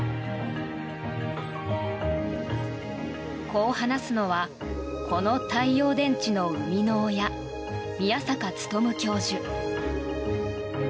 こう話すのはこの太陽電池の生みの親宮坂力教授。